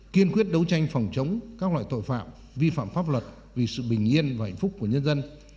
kiên quyết đấu tranh phòng chống các loại tội phạm vi phạm pháp luật vì sự bình yên và hạnh phúc của nhân dân